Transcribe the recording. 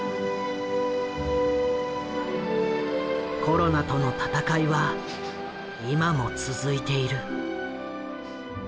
コロナとの闘いは今も続いている。